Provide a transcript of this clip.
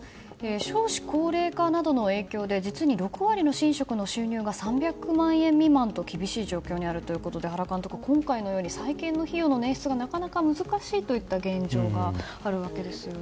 少子高齢化などの影響で実に６割の神職の収入が３００万円未満と厳しい状況にあるということで原監督、今回のように再建費用の捻出がなかなか厳しい現実があるようですよね。